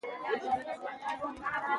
افغانستان د مورغاب سیند لپاره مشهور دی.